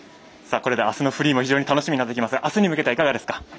これであすのフリーも非常に楽しみになってきますがあすに向けてはいかがですか？